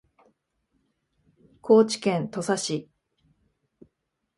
高知県土佐市